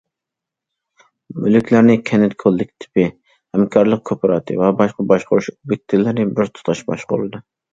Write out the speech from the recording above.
مۈلۈكلەرنى كەنت كوللېكتىپى، ھەمكارلىق كوپىراتىپى ۋە باشقا باشقۇرۇش ئوبيېكتلىرى بىر تۇتاش باشقۇرىدۇ.